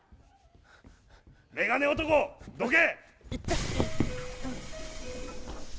眼鏡男、どけ！